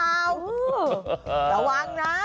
ระวังนะ